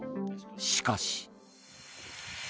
しかし。